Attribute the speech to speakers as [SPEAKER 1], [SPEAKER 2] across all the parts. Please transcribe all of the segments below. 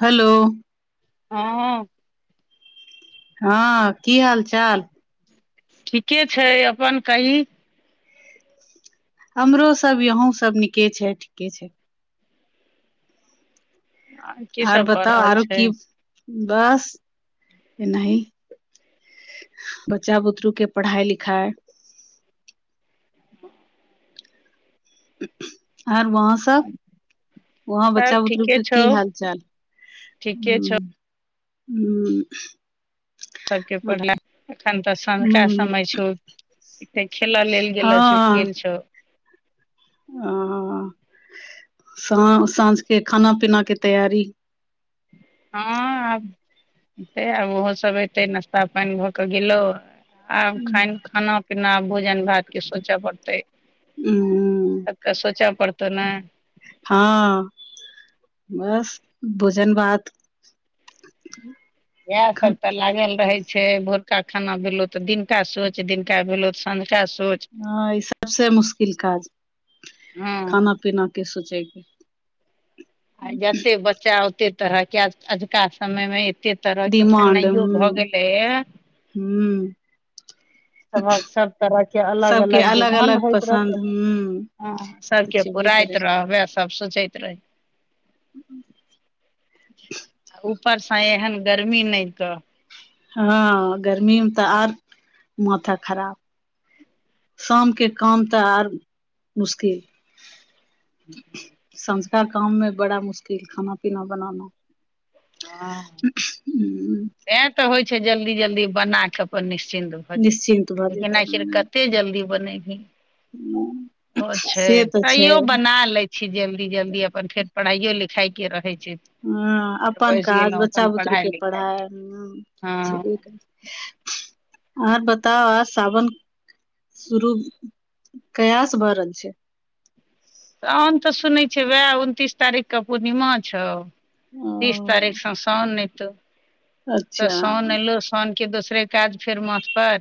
[SPEAKER 1] Hello
[SPEAKER 2] हँ
[SPEAKER 1] हँ की हाल चाल
[SPEAKER 2] ठीके छै अपन कही
[SPEAKER 1] हमरो सब यहूं सब निके छै ठीके छै
[SPEAKER 2] आर
[SPEAKER 1] आर बताउ आरो की बस एनाही बच्चा बुदरू के पढ़ाइ लिखाइ
[SPEAKER 2] [inaudible]
[SPEAKER 1] आर वहाँ सब वहाँ
[SPEAKER 2] सब
[SPEAKER 1] बच्चा
[SPEAKER 2] ठीके
[SPEAKER 1] बुतरूके
[SPEAKER 2] छौ
[SPEAKER 1] की हाल चाल
[SPEAKER 2] ठीके छौ
[SPEAKER 1] हुँ
[SPEAKER 2] सभके पढ़ला एखन तऽ सँझुका समय छौ खेला लेल गेल छौ
[SPEAKER 1] ओ साँझ के खाना पीना के तैयारी
[SPEAKER 2] हँ आब आब ओहो सभ एयतै नाश्ता पानि भऽ कऽ गेलौ आब खान खाना पीना भोजन भातके सोच पड़तै
[SPEAKER 1] उं
[SPEAKER 2] तब तऽ सोचऽ पड़तौ ने
[SPEAKER 1] हँ बस भोजन भात [inaudible]
[SPEAKER 2] यैह सब काल्हि लागल रहै छै भोरका खाना भेलौ त दिनका सोच दिनका भेलो तऽ संझका सोच
[SPEAKER 1] हँ ई सबसे मुश्किल काज
[SPEAKER 2] हँ
[SPEAKER 1] खाना पिना के सोचैके
[SPEAKER 2] आ जते बच्चा ओते तरह के अजुका समयमे एते तरह के
[SPEAKER 1] डिमांड
[SPEAKER 2] खेनाइयो भ
[SPEAKER 1] हूं
[SPEAKER 2] गेलैये
[SPEAKER 1] हूं [inaudible]
[SPEAKER 2] सबहक सब तरह के अलग
[SPEAKER 1] सबके
[SPEAKER 2] अलग डिवानंड
[SPEAKER 1] अलग
[SPEAKER 2] होइत रहतौ
[SPEAKER 1] पसन्द हूं
[SPEAKER 2] हँ
[SPEAKER 1] तऽ
[SPEAKER 2] सबके
[SPEAKER 1] छेबे करै
[SPEAKER 2] पुराइत रहबै सब सोचैत रहै।
[SPEAKER 1] हूँ हूँ
[SPEAKER 2] आ ऊपरस एहन गर्मी नै त
[SPEAKER 1] हँ गर्मी मे त आर माथा खराब शाम के काम तऽ आर मुश्किल। संझोका काममे बड़ा मुश्किल खाना पीना बनाना।
[SPEAKER 2] हँ।
[SPEAKER 1] हू। [unintelligible]
[SPEAKER 2] तें तऽ होइ छै जल्दी जल्दी बना क अपन निश्चिन्त। भजो
[SPEAKER 1] निश्चिन्त भऽ
[SPEAKER 2] लेकिन
[SPEAKER 1] जेतै
[SPEAKER 2] आखिर
[SPEAKER 1] हूं
[SPEAKER 2] कते जल्दी बनेबही। ओ छै
[SPEAKER 1] से तऽ छै
[SPEAKER 2] तैयो बना लै छी जल्दी जल्दी अपन फेर पढ़ाइयो लिखाई के रहै छै।
[SPEAKER 1] हँ
[SPEAKER 2] फेर
[SPEAKER 1] अपन
[SPEAKER 2] बैस
[SPEAKER 1] काज
[SPEAKER 2] गेलहुँ
[SPEAKER 1] बच्चा
[SPEAKER 2] अपन
[SPEAKER 1] बुतरुक
[SPEAKER 2] पढ़ाइ
[SPEAKER 1] के
[SPEAKER 2] लिखाइ
[SPEAKER 1] पढ़ाय। हूँ
[SPEAKER 2] हँ
[SPEAKER 1] छेबे करै आब बताउ सावन। शुरू कहिया स भ रहल छै।
[SPEAKER 2] त हम तऽ सुनै छियै उएह उनतीस तारीखके पूर्णिमा छौव।
[SPEAKER 1] ओ
[SPEAKER 2] तीस तारीख स शाउन नै त। तऽ
[SPEAKER 1] अच्छा
[SPEAKER 2] साउन एलौ सौन के दोसरे काज फेर माथ पर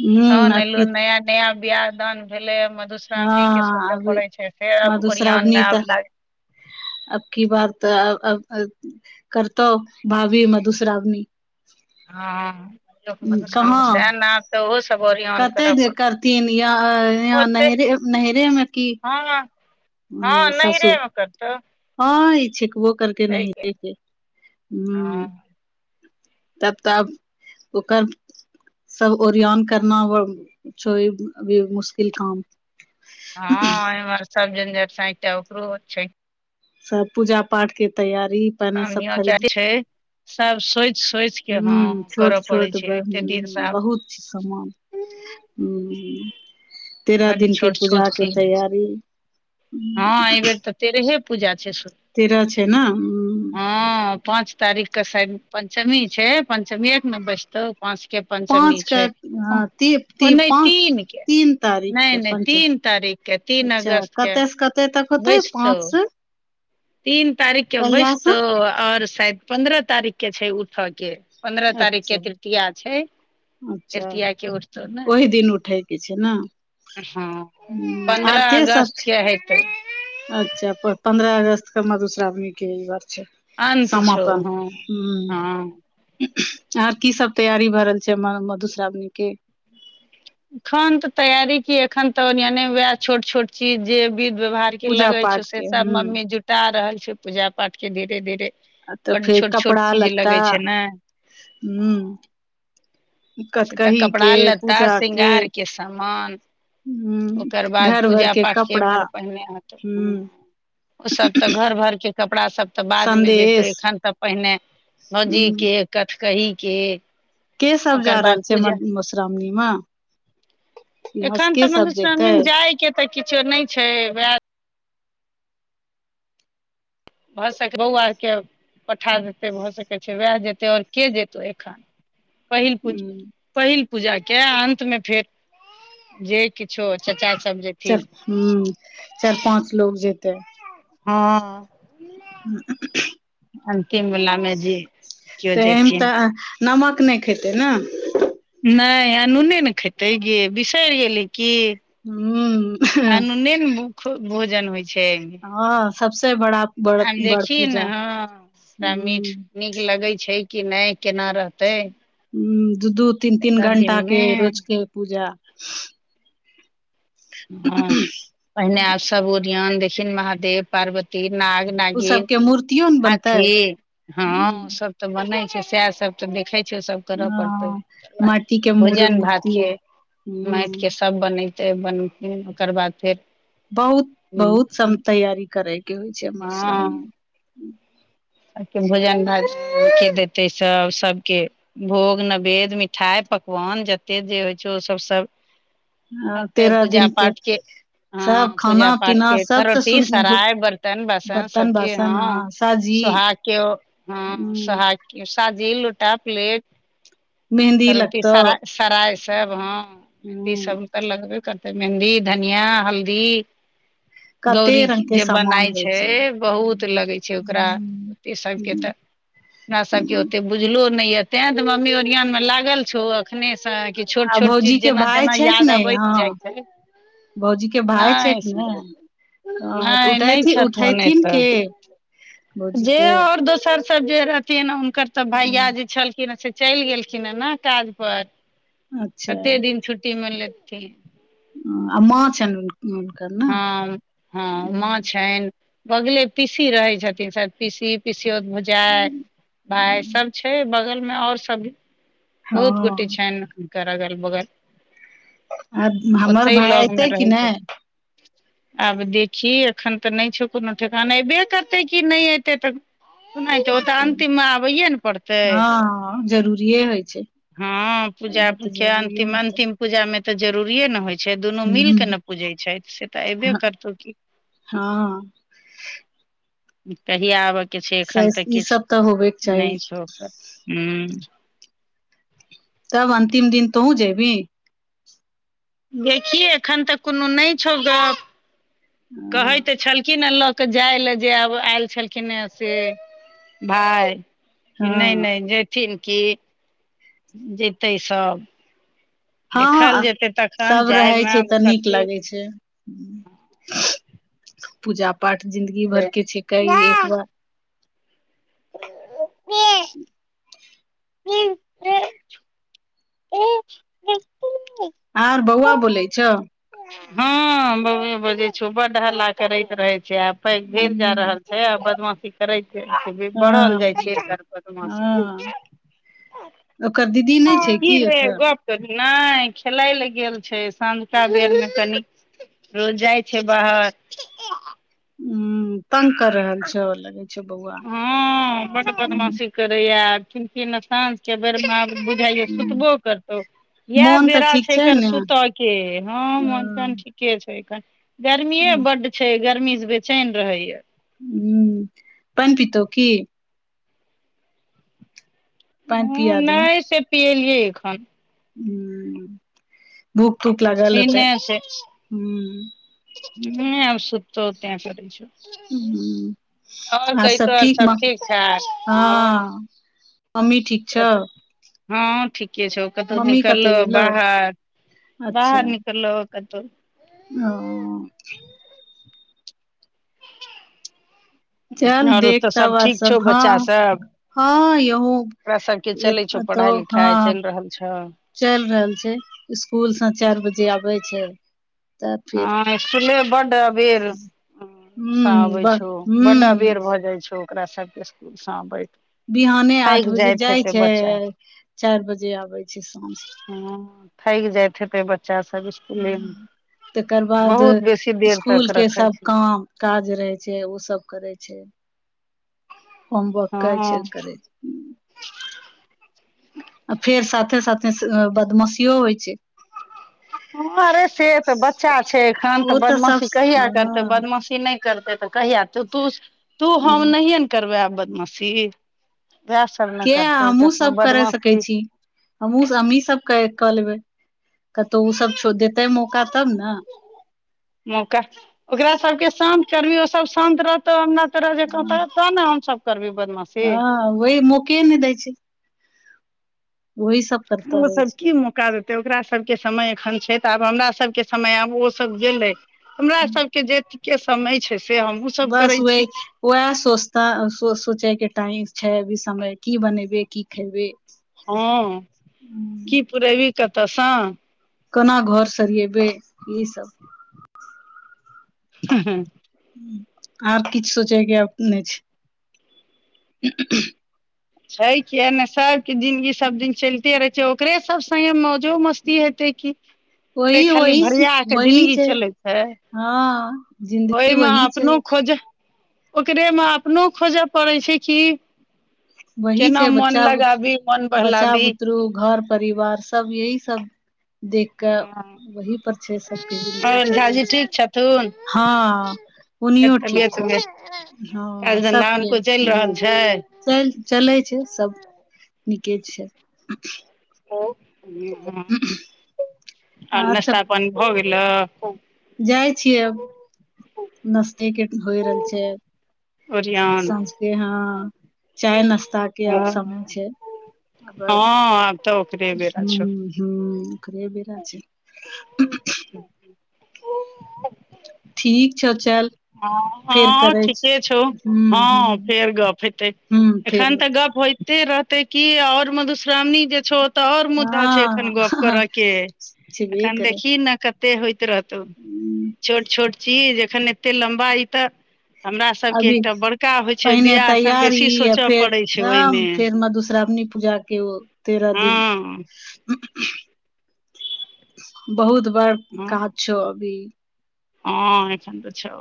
[SPEAKER 1] हूँ
[SPEAKER 2] सावन
[SPEAKER 1] अब की
[SPEAKER 2] एलौ नया। नया बिआह दान भेलै या मधुश्रावणीक के
[SPEAKER 1] हँ
[SPEAKER 2] सोचय
[SPEAKER 1] अब
[SPEAKER 2] पड़ै छै से आब
[SPEAKER 1] मधुश्रावणी
[SPEAKER 2] ओरियनमे
[SPEAKER 1] तऽ
[SPEAKER 2] आब लागी
[SPEAKER 1] अब की बात त अब अब अब अ करतौ भावी मधुश्रावनी।
[SPEAKER 2] हँ समस न।
[SPEAKER 1] कहाँ
[SPEAKER 2] [unintelligible] तऽ ओहो सब ओरियान
[SPEAKER 1] कते
[SPEAKER 2] करऽ
[SPEAKER 1] जे
[SPEAKER 2] पड़तै
[SPEAKER 1] करथिन य यहाँ
[SPEAKER 2] ओते
[SPEAKER 1] नहरे नहरे मे की
[SPEAKER 2] हँ। हँ
[SPEAKER 1] अय,
[SPEAKER 2] नहिरे
[SPEAKER 1] ससुर
[SPEAKER 2] मे करतो
[SPEAKER 1] हँ ई छेकबो करतै ई नहिरेके।
[SPEAKER 2] हँ
[SPEAKER 1] तब तब ओकर सब ओरियान। करना वर्ल छौ अभी मुश्किल काम।
[SPEAKER 2] हँ एमहर सब जञजर साँ तऽ एकटा ओकरो छै।
[SPEAKER 1] सएह पूजा पाठ के तैयारी।
[SPEAKER 2] काम य चारि छै। [unintelligible] सोचि सोचि के
[SPEAKER 1] हूँ
[SPEAKER 2] हँ
[SPEAKER 1] छोट
[SPEAKER 2] करऽ पड़ै
[SPEAKER 1] छोट
[SPEAKER 2] छै
[SPEAKER 1] ब
[SPEAKER 2] एते दिन से आब
[SPEAKER 1] बहुत छै समान। हूँ तेरह
[SPEAKER 2] बड
[SPEAKER 1] दिन के
[SPEAKER 2] छोट छोट
[SPEAKER 1] पूजा के
[SPEAKER 2] चीज होइ छै
[SPEAKER 1] तैयारी।
[SPEAKER 2] हँ एहि बेेर तऽ तेरहे पूजा छै सु
[SPEAKER 1] तेरह छै न उ।
[SPEAKER 2] हँ पाँच तारीखक सैद पञ्चमी छै पंचमीएक न बसतौ। पाँच के पंचमी
[SPEAKER 1] पाँच के
[SPEAKER 2] छै
[SPEAKER 1] ती
[SPEAKER 2] ओ
[SPEAKER 1] ती,
[SPEAKER 2] नैय
[SPEAKER 1] पाँच
[SPEAKER 2] तीन के।
[SPEAKER 1] तीन तारीख
[SPEAKER 2] नै
[SPEAKER 1] के
[SPEAKER 2] नै
[SPEAKER 1] पंच
[SPEAKER 2] तीन तारीके तीन अगस्त के।
[SPEAKER 1] एत त कतै
[SPEAKER 2] बैसतौ
[SPEAKER 1] पाँच से
[SPEAKER 2] तीन तारीखके
[SPEAKER 1] कहिया से
[SPEAKER 2] बैसतौ आओर शायद पन्द्रह तारीखके छै उठऽके। पन्द्रह तारीख
[SPEAKER 1] अच्छा
[SPEAKER 2] के तृतीय छै।
[SPEAKER 1] अच्छा
[SPEAKER 2] तृतीया के उठतौ ने
[SPEAKER 1] ओहि दिन उठैके छै न
[SPEAKER 2] हँ पन्द्रह
[SPEAKER 1] सब
[SPEAKER 2] अगस्त
[SPEAKER 1] छै
[SPEAKER 2] के हेतै।
[SPEAKER 1] अच्छा पन्द्रह अगस्त के मदूश्रामनी के ई बात छै।
[SPEAKER 2] अन्त छौ
[SPEAKER 1] समापन
[SPEAKER 2] हँ हँ
[SPEAKER 1] हुँ आर की सब तैयारी भर रहल छै मा मधुश्रावणी केँ।
[SPEAKER 2] एखन तऽ तैयारी कि एखन तऽ ओडियाने वैह छोट छोट चीज जे विध व्यवहार। की
[SPEAKER 1] पूजा
[SPEAKER 2] लगे छै
[SPEAKER 1] पाठ
[SPEAKER 2] से
[SPEAKER 1] के
[SPEAKER 2] सब मम्मी
[SPEAKER 1] ह
[SPEAKER 2] जुटा रहल छै पूजा पाठ केँ धीरे- धीरे।
[SPEAKER 1] तऽ
[SPEAKER 2] बड
[SPEAKER 1] फेर
[SPEAKER 2] छोट छोट
[SPEAKER 1] कपड़ा
[SPEAKER 2] चीज
[SPEAKER 1] लत्ता
[SPEAKER 2] लगै छै ने
[SPEAKER 1] हुँ।
[SPEAKER 2] तऽ कपड़ा लत्ता
[SPEAKER 1] पूजा के
[SPEAKER 2] शृंगार केँ समान।
[SPEAKER 1] हूँ
[SPEAKER 2] ओकर बाद
[SPEAKER 1] घर भर
[SPEAKER 2] पूजा
[SPEAKER 1] के
[SPEAKER 2] पाठके
[SPEAKER 1] कपड़ा
[SPEAKER 2] एमहर पहिने हेत हँ
[SPEAKER 1] हूँ
[SPEAKER 2] उ सब तऽ घर भर केँ कपड़ा सब तऽ बाद मे जेतौ
[SPEAKER 1] संदेश
[SPEAKER 2] एखन तऽ पहिने। भोजी
[SPEAKER 1] हूँ
[SPEAKER 2] केँ कथकही केँ।
[SPEAKER 1] केँ सब जा रहल छै म - मधुश्रावणी मऽ
[SPEAKER 2] एखन तऽ
[SPEAKER 1] जेतै
[SPEAKER 2] मधुश्रावणीमे जायके तऽ किछो नइ छै वैह भऽ सकै बौआ आर केँ पठा देते भऽ सकै छै वैह जेते आओर केँ जेतौ एखन। पहिल पुजा।
[SPEAKER 1] हूँ
[SPEAKER 2] पहिल पूजा केँ अंत मे फेर जे किछो चाचा सब जे
[SPEAKER 1] तो हुँ चाइर पाँच लोक जेते।
[SPEAKER 2] हँ
[SPEAKER 1] [inaudible]
[SPEAKER 2] अन्तिम बलामे जे। केओ
[SPEAKER 1] तऽ एहिमे
[SPEAKER 2] जेथिन
[SPEAKER 1] तऽ नमक नय खयतै नऽ
[SPEAKER 2] नइ आनूने नऽ खेतै गे बिसरि गेलही की
[SPEAKER 1] हूँ
[SPEAKER 2] अनूने नऽ भुखो भोजन होइ छै एय मे
[SPEAKER 1] हँ सबसे बड़ा। बड़
[SPEAKER 2] आब
[SPEAKER 1] बड़
[SPEAKER 2] देखी
[SPEAKER 1] पूजा
[SPEAKER 2] नऽ हँ सभ मीठ।
[SPEAKER 1] हूँ
[SPEAKER 2] नीक लगैत छै कि नइ केना रहतै।
[SPEAKER 1] हु दू -दू तीन -तीन
[SPEAKER 2] तेरह
[SPEAKER 1] घंटा
[SPEAKER 2] दिन
[SPEAKER 1] केँ
[SPEAKER 2] मे
[SPEAKER 1] रोज केँ पूजा।
[SPEAKER 2] हँ पहिने आब सब उरियन देखथिन महादेव पार्वती नाग - -
[SPEAKER 1] उ
[SPEAKER 2] नागिन
[SPEAKER 1] सबके मूर्तियो ने बनतै
[SPEAKER 2] हाथी
[SPEAKER 1] हूँ
[SPEAKER 2] हँ सब। तऽ बनै छै सैह सब तऽ देखे छियो सब। करऽ परतै
[SPEAKER 1] हँ माटी के मूर
[SPEAKER 2] भोजन भात
[SPEAKER 1] मूर्ति
[SPEAKER 2] केँ माइट केँ
[SPEAKER 1] ह
[SPEAKER 2] स ब बनछैय बन हिन ओकर बाद फेर।
[SPEAKER 1] बहुत बहुत सम तैयारी करे केँ होइ छै मधुश्रावनी मे
[SPEAKER 2] आ की भोजन भात सभ केँ देतै सभ सभके। भोग नैवेद्य मिठाइ पकवान जते जे होइ छै ओसभ सब। करतै
[SPEAKER 1] तेरह
[SPEAKER 2] पूजा
[SPEAKER 1] दिन के
[SPEAKER 2] पाठ केँ। हँ
[SPEAKER 1] सब
[SPEAKER 2] पूजा
[SPEAKER 1] खाना
[SPEAKER 2] पाठ
[SPEAKER 1] पीना
[SPEAKER 2] केँ
[SPEAKER 1] सब तऽ
[SPEAKER 2] थरोटी
[SPEAKER 1] सुन
[SPEAKER 2] सराय बर्तन बासन
[SPEAKER 1] बर्तन
[SPEAKER 2] सब चीज
[SPEAKER 1] बासन
[SPEAKER 2] हँ।
[SPEAKER 1] ह साजी
[SPEAKER 2] सोहाग केँ हँ
[SPEAKER 1] ह
[SPEAKER 2] सोहाग केँ साजी लोटा प्लेट।
[SPEAKER 1] मेहन्दी
[SPEAKER 2] सरोटी
[SPEAKER 1] लगतौ
[SPEAKER 2] सराइ सराइ सब हँ
[SPEAKER 1] ह
[SPEAKER 2] मेंहदी सब तऽ लगबे कर तै मेहन्दी धनिया हल्दी।
[SPEAKER 1] कते
[SPEAKER 2] गौरी
[SPEAKER 1] रंग के
[SPEAKER 2] जे
[SPEAKER 1] सामान
[SPEAKER 2] बनाइ
[SPEAKER 1] होइ
[SPEAKER 2] छै बहुत
[SPEAKER 1] हूँ
[SPEAKER 2] लगै छै ओकरा ओते सभ केँ तऽ।
[SPEAKER 1] हूँ
[SPEAKER 2] हमरा सबके
[SPEAKER 1] हूँ,
[SPEAKER 2] ओते बुझलो नय यऽ तै तऽ मम्मी ओरियान मे लागल छौ। अखने सँ कि छोट -
[SPEAKER 1] आ
[SPEAKER 2] छोट
[SPEAKER 1] भौजी
[SPEAKER 2] चीज
[SPEAKER 1] के
[SPEAKER 2] जेना -
[SPEAKER 1] भाय
[SPEAKER 2] जेना
[SPEAKER 1] छै कि
[SPEAKER 2] याद
[SPEAKER 1] नहि
[SPEAKER 2] अबैत
[SPEAKER 1] हँ
[SPEAKER 2] जाइ छै
[SPEAKER 1] भौजी के भाय छै
[SPEAKER 2] नय
[SPEAKER 1] कि ने ह तऽ
[SPEAKER 2] नय - नय
[SPEAKER 1] उठेथिन
[SPEAKER 2] छथुन
[SPEAKER 1] उठेथिन
[SPEAKER 2] अतऽ
[SPEAKER 1] के भौजी
[SPEAKER 2] जे
[SPEAKER 1] के
[SPEAKER 2] आओर दोसर। सब जे रहथि हुनकर तऽ भैइया जे छलखिन से चैल गेलखिन हे नऽ काज पर।
[SPEAKER 1] अच्छा
[SPEAKER 2] कते दिन छुट्टी मे लेथिन।
[SPEAKER 1] हँ माँ छनक।
[SPEAKER 2] हँ हँ माँ छनि अगले पीसी रहैत छथिन सयाद पीसी। पिसोत भुजाइ भाई सब छै बगल में और सब। बहुत गोटे
[SPEAKER 1] हँ
[SPEAKER 2] छैन हुनकर अगल बगल।
[SPEAKER 1] आय हमर
[SPEAKER 2] ओतहि
[SPEAKER 1] भाई
[SPEAKER 2] लग मे
[SPEAKER 1] अयतै कि
[SPEAKER 2] रहै
[SPEAKER 1] नहि।
[SPEAKER 2] छथिन आब देखी एखन तऽ नहि छौ कोनो ठेकान अयबे करतै कि नहि एयतै तऽ। सुनात ओ तऽ
[SPEAKER 1] एतै।
[SPEAKER 2] अन्तिममे आबैए ने पड़तै।
[SPEAKER 1] हँ जरूरिएे होइ छैय।
[SPEAKER 2] हँ पूजा के अंतिम
[SPEAKER 1] होतै
[SPEAKER 2] अंतिम पूजा मे तऽ जरूरिए ने होइ छै। छै दुनू मिलके
[SPEAKER 1] ह
[SPEAKER 2] नहि पुजै छै से तऽ अऐबे करतौ कि।
[SPEAKER 1] हँऽ
[SPEAKER 2] कहिय आबऽके छैय एखन
[SPEAKER 1] सैस
[SPEAKER 2] तऽ
[SPEAKER 1] ई
[SPEAKER 2] किछु
[SPEAKER 1] सब तऽ होबेके चाही
[SPEAKER 2] नहि छै कर ऊं
[SPEAKER 1] तब अन्तिम दिन तो हू जबी।
[SPEAKER 2] देखियै एखन तक कोनो नहि छौ गप। कहै
[SPEAKER 1] हँ
[SPEAKER 2] तऽ छलखिन हे लऽ के जाय लए जे आब आयल छलखिन हे से जे। बाय कि नहि
[SPEAKER 1] हँ
[SPEAKER 2] नहि ऐथिन की जेतै सब देखल
[SPEAKER 1] हाँ
[SPEAKER 2] जेतै तखन
[SPEAKER 1] सब रहय
[SPEAKER 2] जायमे
[SPEAKER 1] छैय तऽ नीक
[SPEAKER 2] आब
[SPEAKER 1] लागै छैय पूजा पाठ जिन्दगी भरके छैय कैयेकबार
[SPEAKER 2] [unintelligible] [unintelligible]
[SPEAKER 1] आ बौआ बोलै छौ
[SPEAKER 2] अँऽ बौवे बजै छौ बड हल्ला करैत रहै छैथ आब पैघ भेल जा रहल
[SPEAKER 1] हम्म
[SPEAKER 2] छैय आ बदमा करै छैय आगे बढ़ल जाय
[SPEAKER 1] हँ
[SPEAKER 2] छैय एकर बदमाशी
[SPEAKER 1] हँ ओकर दीदी नहि छैय की
[SPEAKER 2] फेर
[SPEAKER 1] ओतऽ
[SPEAKER 2] गप कर नहि खेलैल गेल छैय संंझका बेरमे कनि रोज जाय छैय बाहर
[SPEAKER 1] हूँ तंग क रहल छौ लग
[SPEAKER 2] हँ बड बदमाशी करैये की न की साँझ के बेरमे बुझायये
[SPEAKER 1] हूँ।
[SPEAKER 2] सुतबो करतौ इहे
[SPEAKER 1] मोन तऽ
[SPEAKER 2] बेरा
[SPEAKER 1] ठीक
[SPEAKER 2] छैय
[SPEAKER 1] छै
[SPEAKER 2] एकर
[SPEAKER 1] ने ह
[SPEAKER 2] सुतऽ के हँ मन के छैय एखन गर्मिये बड्ड छैय गर्मी स बेचैन रहैये
[SPEAKER 1] हुँ पानि पितौ की पानि
[SPEAKER 2] हँ
[SPEAKER 1] पिया
[SPEAKER 2] नहि से पियेलियै एखन
[SPEAKER 1] हुँ भूख तूख लागल
[SPEAKER 2] सीने
[SPEAKER 1] हेतै
[SPEAKER 2] से नहि आब सुुततौ तेंय करय छौ
[SPEAKER 1] हूँ
[SPEAKER 2] आओर
[SPEAKER 1] आर
[SPEAKER 2] कहि तो
[SPEAKER 1] सभ ठीक
[SPEAKER 2] सब ठाक
[SPEAKER 1] हँ अमीठी
[SPEAKER 2] और सब हँ ठीके छौ कतहु
[SPEAKER 1] मम्मी
[SPEAKER 2] निकल
[SPEAKER 1] कतऽ
[SPEAKER 2] लउ
[SPEAKER 1] गेलौ
[SPEAKER 2] बाहर बाहर निकल लउ कतहु
[SPEAKER 1] हँऽ चल
[SPEAKER 2] आओर
[SPEAKER 1] देख
[SPEAKER 2] ओतऽ
[SPEAKER 1] तऽ वैह
[SPEAKER 2] ठीक छौ
[SPEAKER 1] सब
[SPEAKER 2] बच्चा सब
[SPEAKER 1] हँ यहूँ
[SPEAKER 2] ओकरा सबके चलै छौ पढ़ाय लिखाय चलि रहल छौ
[SPEAKER 1] चलि रहल छैय इसकूल से चारि बजे आबै छैय
[SPEAKER 2] हँ इसकुले बड्ड अबेर स
[SPEAKER 1] हूं
[SPEAKER 2] आबै
[SPEAKER 1] ब
[SPEAKER 2] छौ बड्ड
[SPEAKER 1] हूं
[SPEAKER 2] अबेर भऽ जाय छौ ओकरा सभके इसकुल स आबैत
[SPEAKER 1] बिहाने आठ बजे जाय छैय अ चारि बजे आबै छैय साझ क
[SPEAKER 2] हँ थैक जाइत हेतै बच्चा सब इसकुले मे
[SPEAKER 1] तकर बाद
[SPEAKER 2] बहुत बेसी देर
[SPEAKER 1] इसकुल
[SPEAKER 2] तक
[SPEAKER 1] के
[SPEAKER 2] रखै
[SPEAKER 1] सब
[SPEAKER 2] छै
[SPEAKER 1] काम काज रहै छैय ओ सब करै छैय होमवर्क करै
[SPEAKER 2] हँ
[SPEAKER 1] छैय करै छैय
[SPEAKER 2] [inaudible]
[SPEAKER 1] फेर साथे साथे बदमाशियो होय छैय
[SPEAKER 2] हँ अरे से तऽ बच्चा छैय एखन तऽ
[SPEAKER 1] ओ सब
[SPEAKER 2] बदमाशी कहिया करते
[SPEAKER 1] हँ
[SPEAKER 2] बदमाशी की नय करतय तऽ कहिया त तू तू हम नहि करबै आब बदमाशी वै
[SPEAKER 1] केय हमहुँ सब करे सकै छी हमहु हमही सब कय कऽ लेबै कतो ओ सब छो देतै मौका तब न
[SPEAKER 2] मौका ओकरा सबके शान्त करबही ओ सभ शान्त रहतौ हमरा तोरा जेकां तब तऽ ने हम सब करबै बदमाश
[SPEAKER 1] [unintelligible] हँ वही मौके नै दैय छैय ओहि स
[SPEAKER 2] ओ सब की मौका देते तऽ ओकरा सबके समय एखन छैय तऽ आब हमरा सबके समय आब ओ सब गेलै हमरा
[SPEAKER 1] छै
[SPEAKER 2] सब के जे ठीके समय छैय से हमहूँ सब
[SPEAKER 1] बस
[SPEAKER 2] करय
[SPEAKER 1] वह
[SPEAKER 2] छी
[SPEAKER 1] वएह सोचता सो सोचे के टाइम छै अभी समय की बनेबे की खेबे
[SPEAKER 2] हँ की पुरेबी कतऽसँ
[SPEAKER 1] केना घर सड़ियैबे ई सब
[SPEAKER 2] [unintelligible]
[SPEAKER 1] आब किछ सोचे के अपने छै [inaudible]
[SPEAKER 2] छै किया ने सबके जिनगी सब दिन चलिते रहे छै ओकरे सब सगे मौजो मस्त कि हेतै कि ओते
[SPEAKER 1] वही
[SPEAKER 2] खाली
[SPEAKER 1] वही
[SPEAKER 2] भरिआ क
[SPEAKER 1] वही
[SPEAKER 2] जिनगी
[SPEAKER 1] छै
[SPEAKER 2] चलैते
[SPEAKER 1] हँ जिन्दगी
[SPEAKER 2] ओइ म
[SPEAKER 1] वही छै
[SPEAKER 2] अपनो खोज ओकरे मे अपनो खोजय पड़ै छै कि
[SPEAKER 1] वही
[SPEAKER 2] केना
[SPEAKER 1] छै
[SPEAKER 2] मोन
[SPEAKER 1] बच्चा बुत
[SPEAKER 2] लगाबी मोन
[SPEAKER 1] बच्चा
[SPEAKER 2] बहलाबी
[SPEAKER 1] बुतरू घर परिवार सब यही सब देख के वहि पर छै सबके
[SPEAKER 2] ओर झाजी ठीक छथुन
[SPEAKER 1] हाँ
[SPEAKER 2] के
[SPEAKER 1] उनियो ठीक
[SPEAKER 2] तबियत उबियत
[SPEAKER 1] छथिन हँ
[SPEAKER 2] काज धन्धा
[SPEAKER 1] सबके
[SPEAKER 2] हुनको चलि रहल
[SPEAKER 1] ह
[SPEAKER 2] छै
[SPEAKER 1] चैल चलै छै सब नीके छै
[SPEAKER 2] ह आ
[SPEAKER 1] आर सब
[SPEAKER 2] नस्ता पानी भ गेल गेल [inaudible]
[SPEAKER 1] जाइ छियै अब नस्ते के होइ रहल छै
[SPEAKER 2] ओरियान
[SPEAKER 1] साँझके हँ चाय नाश्ता के आब
[SPEAKER 2] हँ
[SPEAKER 1] समय छै आब ह
[SPEAKER 2] आब तऽ ओकरे
[SPEAKER 1] [inaudible]
[SPEAKER 2] बेरा छौ
[SPEAKER 1] हूँ ओेकरे बेरा छै [inaudible] ठीक छौ चल
[SPEAKER 2] हँ
[SPEAKER 1] फेर
[SPEAKER 2] हँ
[SPEAKER 1] करै छी
[SPEAKER 2] ठीके छौ
[SPEAKER 1] हूँ हूँ
[SPEAKER 2] हँ फेर गप हेतै
[SPEAKER 1] हूँ फेर
[SPEAKER 2] एखन तऽ गप होइते रहते की ओर मधुश्रावणी जे छौ तऽ और मुद्दा छै एखन
[SPEAKER 1] हँ
[SPEAKER 2] गप
[SPEAKER 1] हँ
[SPEAKER 2] करऽ के
[SPEAKER 1] छेबे
[SPEAKER 2] एखन
[SPEAKER 1] करै
[SPEAKER 2] देखी ने कते होइत रहतौ छोट छोट चीज जखन एते लम्बा ई तऽ हमरा सभके
[SPEAKER 1] अभी
[SPEAKER 2] एकटा बड़का होइ छै
[SPEAKER 1] पहिने
[SPEAKER 2] बियाहसँ बेसी
[SPEAKER 1] तैयारी
[SPEAKER 2] सोचय पड़ैत छै ओइ मे
[SPEAKER 1] श्रावणी पूजा के ओ तेरह दिन [inaudible] बहुत बड़ काज छौ अभी
[SPEAKER 2] ह एखन तऽ छौ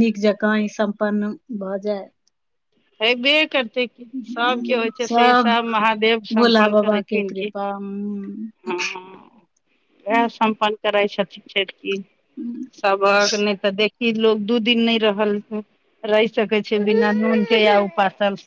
[SPEAKER 1] नीक जका ई सम्पन्न भऽ जाए
[SPEAKER 2] हैबे करतै सबके होइ छै से सब महादेव
[SPEAKER 1] भोला
[SPEAKER 2] सम्पन्न
[SPEAKER 1] बाबा के
[SPEAKER 2] करैथिन की
[SPEAKER 1] कृपा
[SPEAKER 2] हँ
[SPEAKER 1] [inaudible]
[SPEAKER 2] उएह सम्पन्न करै छथिन की सबक नय तऽ देख कि लोग दू दिन नय रहल रहि सकै छै बिना नून के या उपासल से